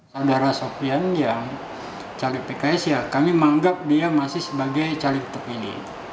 saudara sofian yang caleg pks ya kami menganggap dia masih sebagai caleg terpilih